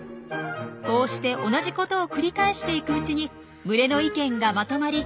こうして同じ事を繰り返していくうちに群れの意見がまとまり